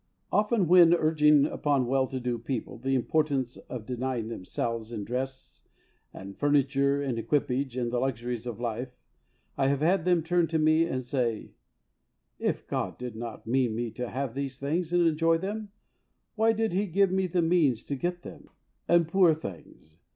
Often when urging upon well to do people the importance of denying themselves in dress and furniture and equipage and the luxuries of life, I have had them turn to me and say, "If God did not mean me to have these things and enjoy them, why did He give me the means to get HOLINESS AND SELF DENIAL. 73 them ?And, poor things